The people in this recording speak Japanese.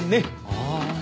ああ。